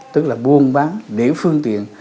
tức là buôn bán để phương tiện